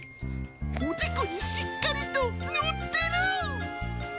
おでこにしっかりと載ってる。